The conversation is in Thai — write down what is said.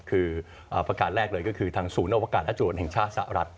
คือประการแรกเลยก็คือทางศูนย์อวกาศและตรวจแห่งชาติสหรัฐ